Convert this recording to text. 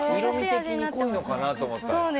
色味的に濃いのかなと。